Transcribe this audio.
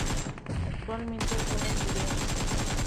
Actualmente es una estudiante.